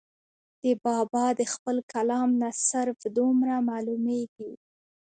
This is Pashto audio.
د بابا د خپل کلام نه صرف دومره معلوميږي